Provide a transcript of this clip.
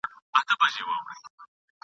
ما دي دغه ورځ په دوو سترګو لیدله ..